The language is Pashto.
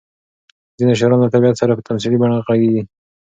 ځینې شاعران له طبیعت سره په تمثیلي بڼه غږېږي.